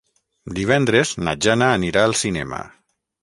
Divendres na Jana anirà al cinema.